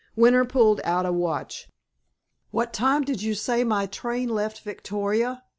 Winter pulled out a watch. "What time did you say my train left Victoria?"